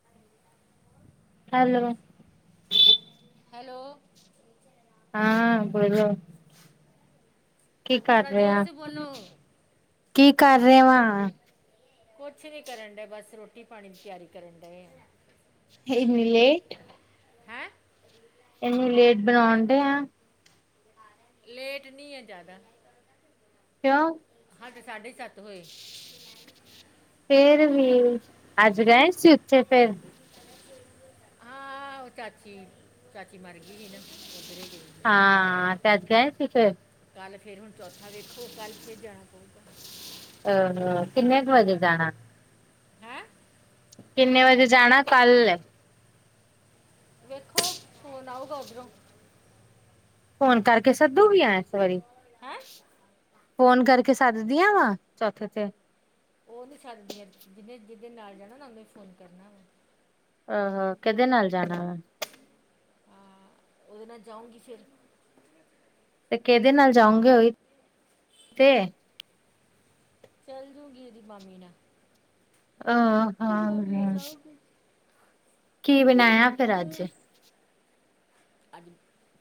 [inaudible] Hello hello ਹਾਂ ਬੋਲੋ, ਕੀ ਥੋੜਾ ਕਰਦੇ ਜ਼ੋਰ ਆ। ਸੇ ਬੋਲੋ ਕੀ ਕਰ ਰਹੇ ਵਾਂ। ਕੁਛ ਨੀ ਕਰਨਡੇ ਬਸ ਰੋਟੀ ਪਾਣੀ ਦੀ ਤਿਆਰੀ ਕਰਨ ਡੇ ਆ। ਐਨੀ ਲੇਟ! ਹੈ ਇਹੀ ਲੇਟ ਬਣਾਉਂਡੇ ਆ ਲੇਟ ਨੀ ਐ ਜਆਦਾ। ਕਿਉ? ਹਾਂਡੇ ਸਾਡੇ ਸਤ ਹੋਏ। ਫੇਰ ਵੀ ਅੱਜ ਗਏ ਸੀ ਉੱਥੇ ਫੇਰ। ਆ ਓ ਚਾਚੀ ਚਾਚੀ ਮਰ ਗਈ ਹੀ ਨਾ। ਉਧਰ ਹੀ ਗਈ ਹਾਂ ਤਾਂ ਗੇ ਸੀਗੇ ਕੱਲ ਫੇਰ ਹੁਣ ਚੌਥਾ ਵੇਖੋ ਕਰ ਕੇ ਜਾਣਾ ਪਊਗਾ। ਅਹ ਕਿੰਨੇ ਵਜੇ ਜਾਣਾ? ਹੈਂ! ਕਿੰਨੇ ਵਜੇ ਜਾਣਾ, ਕੱਲ ਐ? ਵੇਖੋ ਫੋਨ ਆਊਗਾ ਉੱਧਰੋਂ। ਫੋਨ ਕਰਕੇ ਸੱਦੂਗੀ ਐਸ ਵਰੀ। ਹੈਂ! ਫੋਨ ਕਰਕੇ ਸੱਦਦੀਆਂ ਵਾਂ, ਚੌਥੇ ਤੇ ਉਹ ਨੀ ਸਦਦੀਆਂ, ਜਿਹਨੇ ਜਿਹਦੇ ਨਾਲ ਜਾਣਾ ਨਾ, ਉਹਨੇ ਫੋਨ ਕਰਨਾ ਵਾ ਆਹ ਹਾ, ਕਿਹਦੇ ਨਾਲ ਜਾਣਾ ਵਾ ਹਾਂ, ਉਹਦੇ ਨਾਲ ਜਾਊਂਗੀ ਫੇਰ ਤੇ ਕਿਹਦੇ ਨਾਲ ਜਾਊਗੇ ਉਈ--ਤੇ ਚੱਲ ਜੂਗੀ, ਇਹਦੀ ਮਾਮੀ ਨਾਲ ਆਂ ਤੇਰੀ ਹਾਂ ਮਾਮੀ ਨਾਲ ਗਿਆ ਜਾਊਂਗੀ ਕੀ ਬਣਾਇਆ ਫੇਰ ਅੱਜ ਅੱਜ,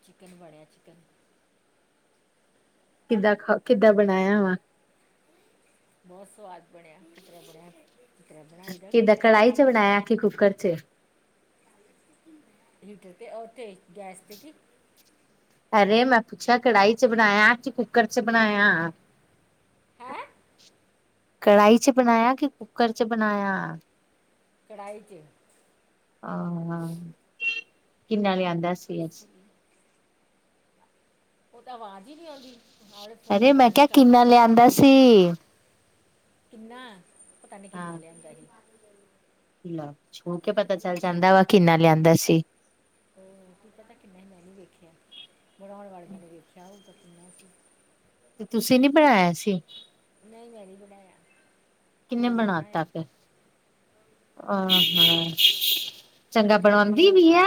ਚਿਕਨ ਬਣਿਆ ਚਿਕਨ ਕਿੱਦਾਂ ਖਾ, ਕਿੱਦਾਂ ਬਣਾਇਆ ਵਾ ਬਹੁਤ ਸੁਆਦ ਬਣਿਆ, ਕਿਤਰਾ ਬਣਿਆ ਜਿਤਰਾ ਬਣਾਈ ਦਾ, ਕਿੱਦਾਂ ਉਤਰਰਾ ਹੀ ਕੜਾਹੀ ਚ ਬਣਿਆ ਫਿਰ ਬਣਾਇਆ ਕਿ ਕੁੱਕਰ ਚ ਹਮ, ਹੀਟਰ 'ਤੇ ਉਥੇ ਗੈਸ 'ਤੇ ਕੀ ਅਰੇ ਮੈਂ ਪੁੱਛਿਆ ਕੜਾਹੀ 'ਚ ਬਣਾਇਆ, ਕਿ ਕੁੱਕਰ 'ਚ ਬਣਾਇਆ ਹੈਂ ਕੜਾਹੀ 'ਚ ਬਣਾਇਆ, ਕਿ ਕੁੱਕਰ 'ਚ ਬਣਾਇਆ। ਕੜਾਈ 'ਚ ਆਹ-ਆਹ, ਕਿੰਨਾ ਲਿਆਂਦਾ ਸੀ ਅਸ ਹਮਮ ਉਹ ਤਾਂ ਆਵਾਜ਼ ਹੀ ਨੀ ਆਉਂਦੀ, ਨਾਲੇੇ ਫੋਨ ਅਰੇ 'ਚ ਮੈਂ ਪਤਾ ਨੀ ਕਿਹਾ ਕਰਜ ਕਿੰਨਾ ਕਿਉਂ ਲਿਆਂਦਾ ਸੀ ਕਿੰਨਾ ਪਤਾ ਨੀ ਕਿੰਨਾ ਲਿਆਂਦਾ ਹੀ। ਹਿਲਾ, ਛੂ ਕੇ ਪਤਾ ਚੱਲ ਜਾਂਦਾ ਵਾ ਕਿੰਨਾ ਲਿਆਂਦਾ ਸੀ। ਓ, ਕੀ ਪਤਾ ਕਿੰਨਾ, ਮੈਂ ਨਹੀਂ ਵੇਖਿਆ, ਬਣਾਉਣ ਵਾਲਿਆਂ ਨੇ ਵੇਖਿਆ ਹੋਊਗਾ, ਕਿੰਨਾ ਸੀ ਤੇ ਤੁਸੀਂ ਨੀ ਬਣਾਇਆ ਸੀ। ਨਹੀਂ ਮੈਂ ਨੀ ਬਣਾਇਆ। ਕਿੰਨੇ ਕੁੜੀ ਨੇ ਬਣਾਤਾ ਬਣਾਇਆ ਫੇਰ ਆਹ ਹਾਂ, ਇੱਕ ਤੇ ਚੰਗਾ ਗੱਡੀਆਂ ਦੀ ਬਣਵਾਉਂਦੀ ਆਵਾ ਵੀ ਐ।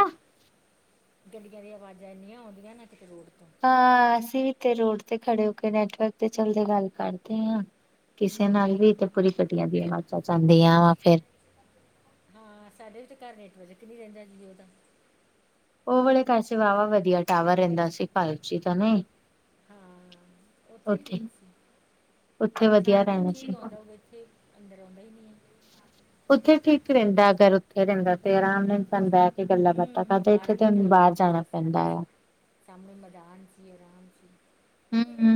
ਗੱਡੀਆਂ ਦੀਆਂ ਆਵਾਜ਼ਾਂ ਇੰਨੀਆਂ ਆਉਂਦੀਆਂ ਨਾ, ਕਿਤੇ ਰੋਡ ਤੋਂ ਹਾਂ ਅਸੀਂ ਵੀ ਤੇ ਰੋਡ ਤੇ ਖੜੇ ਕੇ ਨੈਟਵਰਕ ਤੇ ਚਲਦੇ ਗੱਲ ਕਰਦੇ ਆਂ। ਕਿਸੇ ਨਾਲ ਵੀ ਹਮ, ਤੇ ਪੂਰੀ ਪਟੀਆਂ ਦੀਆਂ ਆਵਾਜ਼ਾ ਜਾਂਦੀਆ ਵਾ ਫੇਰ ਹਾਂ ਸਾਡੇ ਵੀ ਤੇ ਘਰ ਨੈਟਵਰਕ ਨਹੀਂ ਰਹਿੰਦਾ ਜੀਓ ਦਾ ਉਹ ਵਾਲੇ ਕੈਸੇ ਵਾਹਵਾ ਵਧੀਆ ਟਾਵਰ ਰਹਿੰਦਾ ਸੀ, ਫਾਈਵ ਜੀ ਤਾਂ ਨਹੀਂ ਹਾਂ। ਉੱਥੇ ਠੀਕ ਸੀ, ਉੱਥੇ ਛੱਤ ਵਧੀਆ ਤੇ ਵੀ ਰਹਿਣਾ ਠੀਕ ਸੀ ਆਉਂਦਾ ਓ ਇੱਥੇ ਅੰਦਰ ਆਉਂਦਾ ਹੀ ਨਹੀਂ ਹੈ। ਉੱਥੇ ਠੀਕ ਰਹਿੰਦਾ, ਅਗਰ ਉੱਥੇ ਰਹਿੰਦਾ ਤੇ ਆਰਾਮ ਮਿਲ ਜਾਂਦਾ। ਇੱਥੇ ਗੱਲਾਂ ਬਾਤਾਂ ਹੂੰ ਕਰਦੇ, ਬਾਹਰ ਇੱਥੇ ਵੀ ਤੇ ਗੱਲਾਂ ਬਹਿ ਬਾਹਰ ਕੇ ਜਾਣਾ ਕਰ ਪੈਂਦਾ ਸਕਦੇ ਸੀ ਆ। ਸਾਹਮਣੇ ਮਰਦਾਨ ਸੀ, ਆਰਾਮ ਸੀ। ਹੂ ਹੂ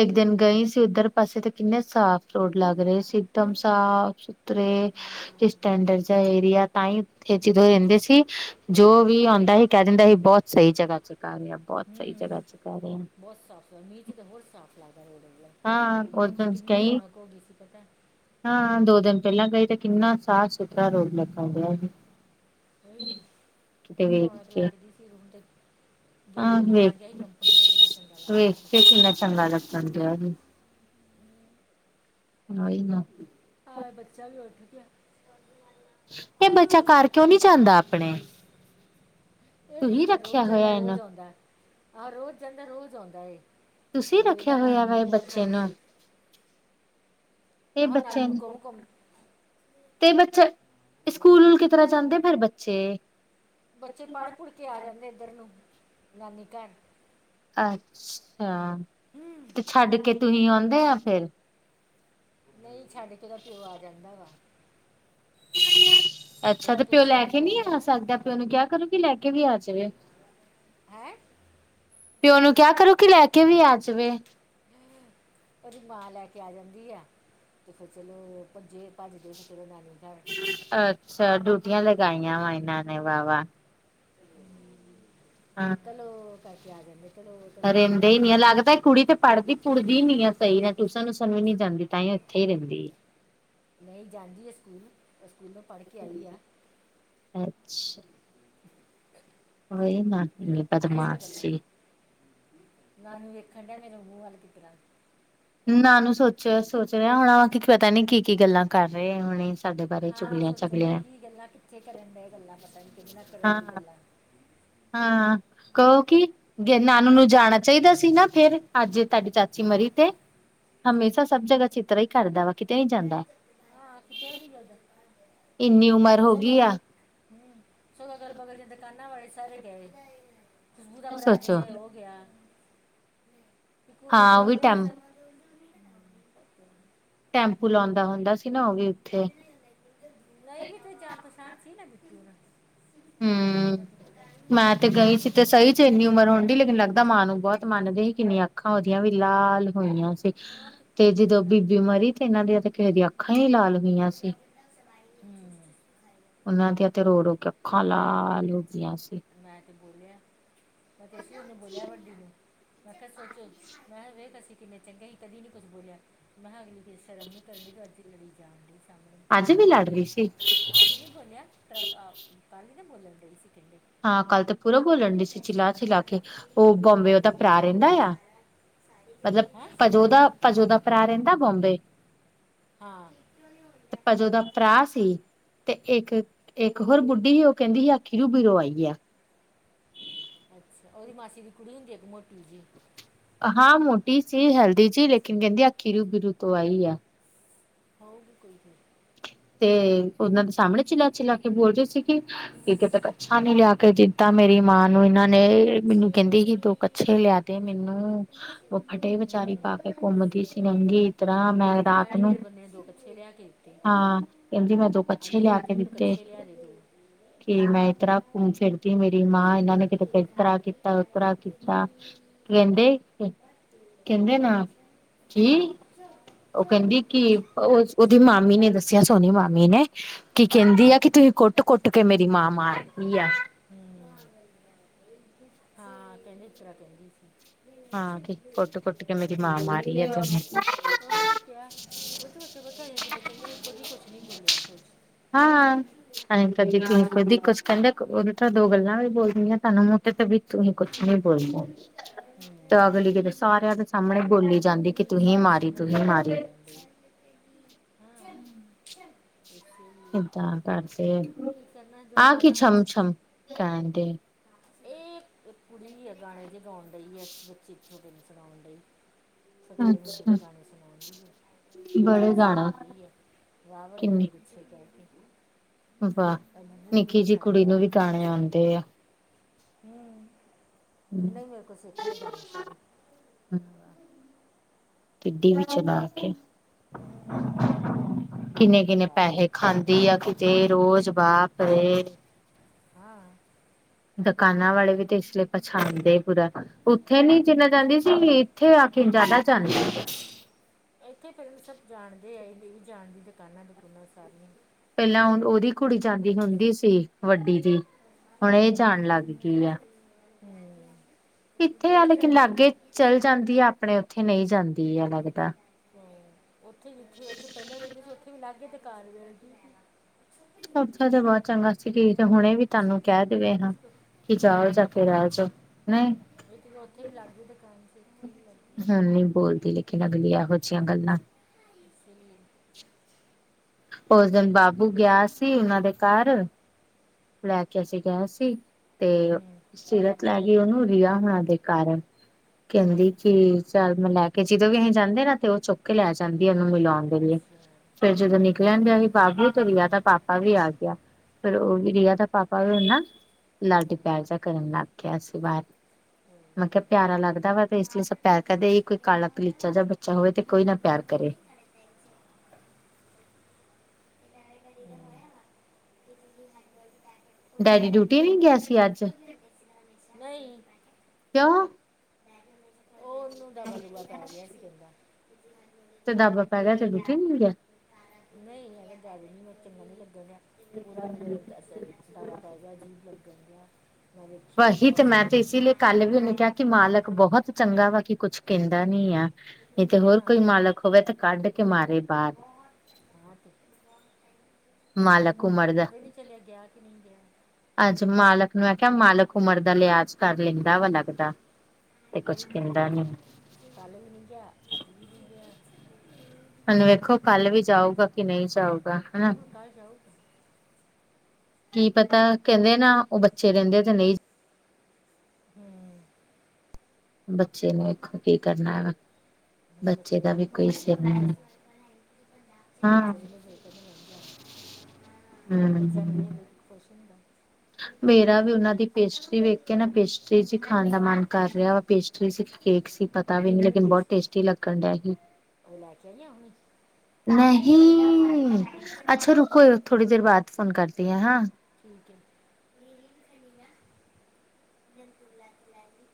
ਇੱਕ ਦਿਨ ਗਏ ਸੀ ਉੱਧਰ ਪਾਸੇ ਤੇ ਕਿੰਨੇ ਸਾਫ਼ ਰੋਡ ਲੱਗ ਰਹੇ ਸੀ ਇਕਦਮ ਸਾਫ ਉਤਰੇ, ਹਾਂ ਇਹ ਸਟੈਂਡਡ ਜਿਹਾ ਏਰੀਆ, ਤਾਂਹੀ ਉੱਥੇ, ਜੇੜੇ ਰਹਿੰਦੇ ਸੀ, ਜੋ ਵੀ ਆਉਂਦਾ ਸੀ ਕਹਿ ਦਿੰਦਾ ਸੀ ਬਹੁਤ ਸਹੀ ਜਗ੍ਹਾ ਚਗਾਹੇ ਮੈਂ ਬੋਤ ਸਈ ਜਗ੍ਹਾ 'ਚ ਰੈ ਰਈ ਆਂ। ਬੋਤ ਸਾਫ਼ ਆ ਮੀਂ 'ਚ ਹੋਰ ਸਾਫ਼ ਲੱਗ ਦਾ ਰੋਡ ਏ ਵਲਾ, ਹਾਂ ਉਸ ਹੁਣ ਤੇ ਦਿਨ ਕਿੰਨੀ ਗਈ ਰੌਣਕ ਹੋ ਗੀ ਸੀ ਪਤਾ। ਹਾਂ ਦੋ ਦਿਨ ਪੈਲਾਂ ਗਈ ਤੇ ਕਿੰਨਾ ਸਾਫ਼- ਸੁਥਰਾ ਰੋਡ ਲੱਗਣ ਡਿਆ ਹੀ। ਓਈ ਤੇ ਕਿੰਨੀ ਵੇਖ ਰੌਣਕ ਕੇ ਲੱਗਦੀ ਸੀ ਰੂ ਤੇ। ਹਾਂ ਗੇਟ ਉਦੋਂ ਬਣ ਗਿਆ ਹੀ ਵੇਖ ਕੰਪਨੀ ਦਾ ਕਨੈਕਸ਼ਨ ਵਾਲਾ। ਵੇਖ ਕੇ ਕਿੰਨਾ ਚੰਗਾ ਲੱਗਣ ਡਿਆ ਹੀ। ਓਈ ਨਾ। ਹਾਂ ਬੱਚਾ ਵੀ ਉੱਠ ਗਿਆ। ਏ ਬੱਚਾ ਘਰ ਕਿਉਂ ਨੀ ਜਾਂਦਾ ਆਪਣੇ। ਏ ਤੂੰ ਹੀ ਬੱਚਾ ਰੋਜ਼ ਰੱਖਿਆ ਜਾਂਦਾ- ਹੋਇਆ ਰੋਜ਼ ਇਹਨੂੰ ਆਉਂਦਾ, ਹਾਂ ਰੋਜ਼ ਜਾਂਦਾ ਰੋਜ਼ ਆਉਂਦਾ ਏ। ਤੁਸੀਂ ਵੇੇਦਾ ਰੱਖਿਆ ਹੋਇਆ ਨਾਨੂ ਵਾ ਨੂੰ ਇਹ ਘੁੰਮ ਬੱਚੇ ਘੁੰਮ ਕੇ। ਏ ਆਹ ਨਾਨੂ ਬੱਚੇ ਕੁੰਮ ਨੂੰ ਕੁੰਮ ਤੇ ਬੱਚਾ ਸਕੂਲ ਕਿਤਰ੍ਹਾਂ ਜਾਂਦੇ ਫੇਰ ਬੱਚੇ। ਬੱਚੇ ਪੜ੍ਹ ਪੁੜ੍ਹ ਕੇ ਆ ਜਾਂਦੇ ਏਧਰ ਨੂੰ ਨਾਨੀ ਘਰ। ਅੱਛਾ ਤੇ ਛੱਡ ਕੇ ਤੁਹੀ ਆਉਂਦੇ ਆ ਫੇਰ। ਨਈ ਛੱਡ ਕੇ ਏਦਾ ਪਿਓ ਆ ਜਾਂਦਾ ਵਾ। ਅੱਛਾ ਤੇ ਪਿਓ ਲੈ ਕੇ ਨੀ ਆ ਸਕਦਾ, ਪਿਓ ਨੂੰ ਕਿਆ ਕਰੋ ਕੀ ਲੈ ਕੇ ਵੀ ਆ ਜਵੇ। ਹੈਂ। ਪਿਓ ਨੂੰ ਕਿਆ ਕਰੋ ਕੀ ਲੈ ਕੇ ਵੀ ਆ ਜਵੇ। ਓਦੀ ਮਾਂ ਲੈ ਕੇ ਆ ਜਾਂਦੀ ਆ, ਤੇ ਫੇਰ ਚਲੇ ਭੱਜੇ ਭੱਜਦੇ ਫੇਰ ਨਾਨੀ ਘਰ ਅੱਛਾ ਡਿਊਟੀਆਂ ਲਗਾਈਆਂ ਵਾ ਏਨਾਂ ਨੇ ਵਾ ਵਾ। ਫੇੇ ਤਲੋ ਕਰ ਕੇ ਆ ਜਾਂਦੇ। ਚਲੋ ਚਲੋ ਰੈਂਦੇ ਚਲੋ ਈ ਨੀ ਆ, ਲੱਗਦਾ ਕੁੜੀ ਤੇ ਪੜ੍ਹਦੀ ਪੁੜ੍ਹਦੀ ਨੀ ਆ ਸਈ ਨਾ ਟਿਊਸ਼ਨ ਊਸ਼ਨ ਵੀ ਨੀ ਜਾਂਦੀ, ਤਾਂਈੰ ਓ ਏਥੇ ਈ ਰੈਂਦੀ। ਨਈ ਜਾਂਦੀ ਆ ਸਕੂਲ, ਸਕੂਲੋ ਪੜ੍ਹ ਕੇ ਆਈ ਆ‌। ਐਛ ਓਈ ਨਾ ਇੰਨੀ ਆਹੀ ਸਭ ਬਦਮਾਸ਼ ਗੱਲਾਂ, ਜੀ ਨਾਨੂੰ ਵੇਖਣ ਡਿਆ ਮੇਰੇ ਮੂੰਹ ਵੱਲ ਕਿਤਰਾਂ। ਨਾਨੂ ਸੋਚਿਆ ਸੋਚ ਰਿਆ ਹੋਣਾ ਕੀ ਪਤਾ ਨੀ ਕੀ ਕੀ ਗੱਲਾਂ ਕਰ ਰਏ ਹੁਣੇ। ਸਾਡੇ ਬਾਰੇ ਹਾਂ ਓ ਚੁਗਲੀਆਂ ਸੋਚਣ ਡਿਆ ਚਗਲੀਆਂ ਕੀ ਗੱਲਾਂ, ਕਿੱਥੇ ਕਰਨ ਡੇ ਗੱਲਾਂ, ਪਤਾ ਨੀ ਕੀਦੇ ਨਾਲ ਕਰਨ ਡੀ ਹਾਂ ਗੱਲਾਂ। ਹਾਂ ਕਓ ਕੀ ਜੇ ਨਾਨੂ ਨੂੰ ਜਾਣਾ ਚਾਈਦਾ ਸੀ ਨਾ ਫ਼ੇਰ ਅੱਜ ਤਾਡੀ ਚਾਚੀ ਮਰੀ ਤੇ। ਹਮੇਸ਼ਾ ਸਭ ਜਗ੍ਹਾ ਚੇਤਰਾ ਈ ਕਰਦਾ ਵਾ ਕਿਤੇ ਨੀ ਜਾਂਦਾ। ਹਾਂ ਕਿਤੇ ਵੀ ਨੀ ਜਾਂਦਾ। ਇੰਨੀ ਉਮਰ ਹੋ ਗੀ ਆ। ਸੋ ਅਗਲ ਪਗਲ ਦੀਆਂ ਦੁਕਾਨਾਂ ਵਾਲੇ ਸਾਰੇ ਗਏ, ਖੁਸ਼ਬੂ ਦਾ ਭਰਾ ਸੋਚੋ ਵਿਜੇ ਓ ਗਿਆ। ਤੂੰ ਤੇ ਹਾਂ ਉਹ ਵੀ ਬੋਲਦੇ ਈ ਟੈਂਪ ਸਮਝ ਟੈਂਪੂ ਲਾਉਂਦਾ ਹੁੰਦਾ ਸੀ ਨਾ ਓ ਵੀ ਏਥੇ। ਨਈ ਜਿਥੇ ਜਾਣ ਪਛਾਣ ਸੀ ਨਾ ਦਿਤੀ ਓਨਾ ਨੇ। ਹਮ ਮੈਂ ਤੇ ਗਈ ਸੀ ਤੇ ਸਹੀ [inaudible] ਤੇ ਮੰਨਦੇ ਹੀ ਕਿੰਨੀਆਂ ਅੱਖਾਂ ਓਦੀਆਂ ਵੀ ਲਾਲ ਹੋਈਆਂ ਸੀ, ਹਾਂ ਤੇ ਕੀ ਜਦੋਂ ਕਰਨਾ ਬੀਬੀ ਮਰੀ ਏਨਾਂ ਦੀਆਂ ਤੇ ਕਿਹੇ ਦੀਆਂ ਅੱਖਾਂ ਈ ਲਾਲ ਹੋਈਆਂ ਸੀ। ਹੂੰਅ। ਓਨਾਂ ਦੀਆਂ ਤੇ ਰੋ-ਰੋ ਕੇ ਅੱਖਾਂ ਲਾਲ ਹੋ ਗੀਆਂ ਸੀ। ਮੈਂ ਤੇ ਬੋਲਿਆ ਮੈਂ ਤੁਸੀ ਓਨੂੰ ਬੋਲਿਆ ਵੱਡੀ ਨੂੰ। ਮੈਂ ਕਿਹਾ ਸੋਚੋ ਮੈਂ ਕਿਹਾ ਵੇਖ ਕਿ ਅਸੀਂ ਕਿੰਨੇ ਚੰਗੇ ਈ ਕਦੀ ਨਹੀ ਕੁੱਛ ਬੋਲਿਆ। ਮੈਂ ਅਗਲੀ ਬੇਸ਼ਰਮ ਨੂੰ ਕਰਦੀ-ਕਰਦੀ ਲੜੀ ਜਾਵਾਂਗੇ। ਅੱਜ ਵੀ ਲੜ ਰਹੀ ਸੀ ਹਾਂ, ਅੱਜ ਨੀ ਬੋਲਿਆ, ਟਰੱਕ ਆ, ਕੱਲ ਦੇ ਬੋਲਣ ਡਏ ਸੀ ਗੇ, ਕਿਦੇ ਹਾਂ ਕੱਲ ਤਾਂ ਪੂਰਾ ਬੋਲਣ ਡਏ ਸੀ ਚਿਲਾ-ਚਿਲਾਕੇ, ਉਹ ਬੌਬੇ ਉਹਦਾ ਭਰਾ ਰਹਿੰਦਾ ਆ। ਮਤਲਬ ਹੈਂ ਭਜੋ ਦਾ ਭਜੋ ਦਾ ਭਰਾ ਰਹਿੰਦਾ ਬੌਬੇ। ਹਾਂ। ਭਜੋ ਦਾ ਭਰਾ ਸੀ। ਤੇ ਇੱਕ, ਇੱਕ ਹੋਰ ਬੁੱਢੀ ਓ ਕਹਿੰਦੀ ਸੀ ਆਖੀ ਰੂ ਬੀਰੋ ਆਈ ਆ। ਅੱਛਾ ਉਹਦੀ ਮਾਸੀ ਦੀ ਕੁੜੀ ਹੁੰਦੀ ਇੱਕ ਮੋਟੀ ਜਿਹੀ। ਹਾਂ ਮੋਟੀ ਸੀ ਹੈਲਦੀ ਜੀ ਲੇਕਿਨ ਕਹਿੰਦੀ ਆ ਖੀਰੂ ਬੀਰੂ ਤੋਂ ਆਈ ਆ। ਹੋਊਗੀ ਕੋਈ ਵੀ। ਤੇ ਉਹਨਾਂ ਦੇ ਸਾਹਮਣੇ ਚਿਲਾ-ਚਿਲਾਕੇ ਬੋਲ ਰਹੇ ਸੀਗੇ ਕਿ ਕਿ ਤੱਕ ਕੱਛਾ ਨਹੀਂ ਲਿਆ। ਕਿ ਜਿੱਦਾਂ ਮੇਰੀ ਮਾਂ ਨੂੰ ਇਹਨਾਂ ਨੇ ਮੈਨੂੰ ਕਹਿੰਦੀ ਕੀ ਦੋ ਕੱਛੇ ਲਿਆ ਦੇ ਮੈਨੂੰ। ਓ ਫਟੇ ਵਿਚਾਰੀ ਹੂੰ ਪਾ ਕੇ ਘੁੰਮਦੀ ਸੀ ਨੰਗੀ। ਹਾਂ ਤਰ੍ਹਾਂ ਮੈਂ ਅੱਜ ਕਹਿਣ ਰਾਤ ਡਈ ਨੂੰ ਮੇਰੇ ਬੰਦੇ ਨੇ ਦੋ ਕੱਛੇ ਲਿਆ ਤੇ। ਹਾਂ, ਕਹਿੰਦੀ ਮੈਂ ਦੋ ਕੱਛੇ ਲਿਆ ਕੇ ਮੈਨੂੰ ਦਿੱਤੇ। ਕੱਛੇ ਲਿਆ ਦੇ ਦੋ ਕਿ ਮੈਂ ਇਸ ਤਰ੍ਹਾਂ ਘੁੰਮ ਫਿਰਦੀ ਮੇਰੀ ਮਾਂ ਇਹਨਾਂ ਨੇ ਕਿਸ ਤਰ੍ਹਾਂ ਕੀਤਾ ਉਸ ਤਰ੍ਹਾਂ ਕੀਤਾ। ਕਹਿੰਦੇ, ਕਹਿੰਦੇ ਨਾ, ਕੀ? ਚ ਉਹ ਕਹਿੰਦੀ ਕਿ ਓ ਉਹਦੀ ਮਾਮੀ ਨੇ ਦੱਸਿਆ ਸੋਨੀ ਮਾਮੀ ਨੇ। ਕੀ ਕਹਿੰਦੀ ਆ ਕਿ ਤੁਸੀਂ ਕੁੱਟ-ਕੁੱਟ ਕੇ ਮੇਰੀ ਮਾਂ ਮਾਰਤੀ ਆ। ਹੂੰ। ਹਾਂ ਕਹਿੰਦੀ ਇਸ ਤਰ੍ਹਾਂ ਕਹਿੰਦੀ ਸੀ। ਹਾਂ ਅਖੇ ਕੁੱਟ-ਕੁੱਟ ਕੇ ਮੇਰੀ ਮਾਂ ਬੋਲਦੀ ਮਾਰੀ ਆ ਤੁਸੀਂ। ਉਹੀ ਤੂੰ ਕਿਹਾ [unintelligible] ਘਰੇ ਕਿੰਨਾ ਚੰਗੇ ਈ ਕਦੀ ਕੁਛ ਨੀ ਬੋਲਿਆ ਸੋ। ਹਾਂ-ਹਾਂ, ਨਾਲੇ ਕਦੀ ਕੁਛ ਕਦੀ ਕੁਛ ਕਹਿੰਦਾ ਦੋ ਗੱਲਾਂ ਵੀ ਬੋਲਦੀਆਂ ਤੁਹਾਨੂੰ ਮੂੰਹ ਹੂੰ [unintelligible] ਸਾਹਮਣੇ ਬੋਲੀ ਜਾਂਦੀ ਕਿ ਤੁਹੀਂ ਮਾਰੀ ਤੁਹੀਂ ਮਾਰੀ। ਤੁਸੀਂ, ਏਦਾਂ ਕਰਦੇ ਕੀ ਕਰਨਾ ਜੋ ਆਹ ਕੀ ਕਰਨਾ ਹੁਣ ਛਮ ਛਮ ਕਹਿਣ ਡੇ ਤੁਸੀਂ। ਇਹ ਕੁੜੀ ਹੈ ਗਾਣੇ ਜੇ ਗਾਉਣ ਡਈ ਐ [unintelligible] ਵਿਚ ਛੋਟੇ ਜੇ ਸੁਣਾਉਣ ਡਈ। ਸੋਚਿਆ ਵੀ ਮੁੰਡੇ ਦੇ ਅੱਛਾ ਗਾਣੇ ਸੁਣਾਉਣ ਡਈ ਆ, ਬੜੇ ਲੋਰੀਆਂ ਗਾਣਾ ਸੁਣਾਉਣ ਡਈ ਹੈ, ਰਾਹ ਵੜੀਆਂ ਕਿੰਨੇ ਵਿਚੇ ਕਹਿਕੇ। ਵਾਹ, ਨਿੱਕੀ ਜਿਹੀ ਕੁੜੀ ਡਿਆ ਨੂੰ ਵੀ ਗਾਣੇ ਆਂਦੇ ਆ। ਹੂੰ, ਨੲੀ ਮੇਰੇ ਕੋ ਸਿੱਖ ਲੇ ਗਾਣੇ ਸਾਰੇ। ਹੂੰ। ਤਿੱਡੀ ਵੀ ਚਲਾ ਕੇ। ਹੂੰ ਕਿੰਨੇ-ਕਿੰਨੇ ਵਾਹ ਪੈਹੇ ਖਾਂਦੀ ਆ ਕਿਤੇ ਰੋਜ਼ ਵਾਪਰੇ, ਹਾਂ। ਦੁਕਾਨਾਂ ਵਾਲੇ ਵੀ ਤੇ ਇਸ ਲਈ ਪਛਾਣਦੇ ਪੂਰਾ। ਉੱਥੇ ਨੀ ਜਿੰਨਾ ਜਾਂਦੀ ਸੀ ਇੱਥੇ ਆ ਕਿ ਜ਼ਿਆਦਾ ਜਾਂਦੀ ਆ। ਇੱਥੇ ਫਿਰ ਸਭ ਜਾਣਦੇ ਆ ਇਹ ਨਹੀਂ ਜਾਣਦੀ ਦੁਕਾਨਾਂ ਦੁਕੁਨਾ ਸਾਰੀਆਂ। ਪਹਿਲਾ ਓ ਉਹਦੀ ਕੁੜੀ ਜਾਂਦੀ ਹੁੰਦੀ ਸੀ ਵੱਡੀ ਦੀ, ਹੁਣ ਇਹ ਹੂੰ ਜਾਣ ਲੱਗ ਗੀ ਆ। ਹੂੰ। ਇੱਥੇ ਆ ਉੱਥੇ ਲੇਕਿਨ ਰਹਿੰਦੇ ਲਾਗੇ ਚੱਲ ਜਾਂਦੀ ਆ ਆਪਣੇ ਉੱਥੇ ਨਹੀ ਜਾਂਦੀ ਆ ਲੱਗਦਾ। ਹੂੰ ਓਥੇ ਜਿੱਥੇ ਓਥੇ ਪੈਲਾਂ ਰਹਿੰਦੇ ਸੀ ਓਥੇ ਵੀ ਲਾਗੇ ਦੁਕਾਨ ਮਿਲ਼ਦੀ ਸੀ। ਓਥਾ ਤਾਂ ਬੋਤ ਚੰਗਾ ਸੀ ਕਿ ਹੁਣੇ ਵੀ ਤਾਨੂੰ ਕੈ ਦੇਵੇ ਹਾਂ। ਕਿ ਜਾਓ ਜਾ ਕੇ ਰੈ ਜੋ ਨਈ ਏਕ ਤੇ ਓਥੇ ਵੀ ਲਾਗੇ ਦੁਕਾਨ ਸੀ ਇੱਥੇ ਵੀ ਲਗ ਹੁਣ ਨੀ ਬੋਲਦੀ ਲੇਕਿਨ ਅਗਲੀ ਐਹੋ ਜਿਇਆਂ ਗੱਲਾਂ ਇਸੇ ਨੇ ਓਸ ਦਿਨ ਬਾਬੂ ਗਯਾ ਸੀ ਓਨਾਂ ਦੇ ਕੱਰ ਲੈ ਕੇ ਅਸੀਂ ਗਏ ਸੀ ਤੇ ਹੂੰ ਸੀਰਤ ਲੈ ਗੀ ਓਨੂੰ ਰੀਆ ਹੋਣਾ ਦੇ ਕੱਰ। ਕੈਂਦੀ ਕਿ ਚੱਲ ਮੈਂ ਲੈ ਕੇ ਜਦੋਂ ਵੀ ਅਹੀ ਜਾਂਦੇ ਨਾ ਤੇ ਓ‌ ਚੋਕ ਕੇ ਲੈ ਜਾਂਦੀ ਓਨੂੰ ਮਿਲਾਓਣ ਦੇ ਲਈ ਅੱਛਾ ਫੇਰ ਜਦੋਂ ਨਿਕਲਣ ਦੇ ਹੀ ਬਾਬੂ ਤੇ ਰੀਆ ਦਾ ਪਾਪ ਪਾਂ ਵੀ ਆ ਗਯਾ ਫੇਰ ਓ ਵੀ ਰੀਆ ਦਾ ਪਾਪਾ ਵੀ ਓ ਨਾ ਲਾਡੀ ਹੂੰ ਪਿਆਰ ਜੇਆ ਕਰਨ ਲੱਗ ਗਯਾ ਸੀ ਬਾਰ ਮੈਂ ਕੇਆ ਪਿਆਰਾ ਲੱਗਦਾ ਵਾ ਤੇ ਇਸ ਲਈ ਸਭ ਪਿਆਰ ਕਰਦੇ ਏ ਕੋਈ ਕਾਲ-ਕਲੀਚਾ ਜੇਆ ਬੱਚਾ ਹੋਵੇ ਤੇ ਕੋਈ ਨਾ ਪਿਆਰ ਕਰੇ। [unintelligible] [unintelligible] ਡੈਡੀ ਡਿਊਟੀ ਨੀ ਗਯਾ ਸੀ ਅੱਜ ਨਈ। ਕਿਉਂ? ਪੂਰਾ ਦਬਾ-ਦੁਬਾ ਕਰ ਗਯਾ ਸਵੇਰ ਦਾ ਤੇ ਦਾਬਾ ਪੈ ਗਿਆ ਤੇ ਡਿਊਟੀ ਨਹੀਂ ਗਿਆ। ਨਈ ਹਜੇ ਐ ਡੈਡੀ ਨੂੰ ਚੰਗਾ ਨੀ ਲੱਗੇਗਾ ਪੂਰਾ ਮੈਨੂੰ [unintelligible] ਜਾਦਾ ਪੈ ਗਯਾ ਅਜੀਭ ਲੱਗਣ ਡੇਆ। ਵਹੀ ਤੇ ਮੈਂ ਤੇ ਇਸੀਲਈ ਕੱਲ ਵੀ ਓਨੂੰ ਕੇਅ ਕਿ ਮਾਲਕ ਬੋਹਤ ਚੰਗਾ ਵਾ, ਕਿ ਕੁਛ ਕੈਂਦਾ ਨੀ ਆ ਨਈ ਤੇ ਹੋਰ ਹਾਂ ਕੋਈ ਮਾਲਕ ਹੋਵੇ ਤੇ, ਕੱਢ ਕੇ ਮਾਰੇ ਬਾਰ। ਹਾਂ ਤੇ ਅੱਜ ਮਾਲਕ ਉਮਰ ਨੂੰ ਦਾ ਪਤਾ ਨੀ ਚੱਲਿਆ ਗਯਾ ਕਿ ਨੀ ਗਯਾ? ਅੱਜ ਮਾਲਕ ਨੂੰ ਮੈਂ ਕੇਆ ਮਾਲਕ ਉਮਰ ਦਾ ਲਿਆਜ ਕਰ ਲੈਂਦਾ ਵਾ ਲੱਗਦਾ। ਏਈ ਕੁਛ ਤੇ ਕਹਿੰਦਾ ਨੀ ਕੱਲ ਵੀ ਨੀ ਗਯਾ ਅੱਜ ਵੀ ਨੀ ਗਯਾ। ਹੁਣ ਵੇਖੋ ਕੱਲ ਵੀ ਜਾਊਗਾ ਕੇ ਨਈ ਜਾਊਗਾ ਹੈਨਾ ਕਲ ਜਾਊ। ਕੀ ਪਤਾ ਕੈਂਦੇ ਆ ਨਾ ਓ ਬੱਚੇ ਰੈਂਦੇ ਤੇ ਨਈ ਜਾਉ। ਹੂੰ ਬੱਚੇ ਨੂੰ ਵੇਖੋ ਕੀ ਕਰਨਾ ਹੈਗਾ ਹੁਣ ਬੱਚੇ ਦਾ ਵੀ ਨੇ ਪੇਟ ਨਹੀਂ ਕਿਸੇ ਆਉਣ ਨੇ ਜਾਣਾ ਬੱਚੇ ਦੇ ਰਿਜ਼ਲਟ ਮ ਨਹੀਂ ਜਾਦਾ ਬੱਚਿਆਂ ਨੂੰ ਹਮ ਵੇਖ-ਵੇਖ ਖੁਸ਼ ਹੁੰਦਾ। ਮੇਰਾ ਵੀ ਉਨਾਂ ਦੀ ਪੇਸਟਰੀ ਵੇਖ ਕੇ ਨਾ ਪੇਸਟਰੀ ਜੀ ਖਾਣ ਦਾ ਮਨ ਕਰ ਰੇਆ ਵਾ ਪੇਸ ਟਰੀ ਸੀ ਕੇ ਕੇਕ ਸੀ ਪਤਾ ਵੀ ਕਿ ਨੀ ਇਹਨਾਂ ਦੀ ਲੇਕਿਨ ਬੋਤ ਪੇਸਟੀ ਟੇਸਟੀ ਲੱਗਣ ਡੇਆ ਸੀ। ਉਹ ਲੈ ਕੇ ਆਈਆਂ ਹੁਣੇ ਪਾਪਾ ਨੇ ਨਹੀਂ ਲੋਇਦਾ ਫੜ ਕੇ ਲਾਈਟ 'ਚ ਅੱਛਾ ਵੇਖੋ ਰੁਕੋ, ਥੋੜ੍ਹੀ ਦੇਰ ਬਾਅਦ ਫ਼ੋਨ ਕਰਦੀ ਆ ਨਾ। ਠੀਕ ਏ [unintelligible] ਬਲੈਕ-ਬਲੈਕ।